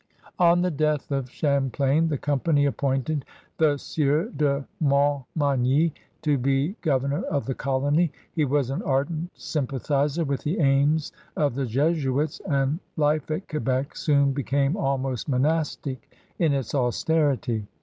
On the death of Champlain the Company appointed the Sieur de Montmagny to be governor of the colony. He was an ardent sympathizer with the aims of the Jesuits, and life at Quebec soon became almost monastic in its austerity.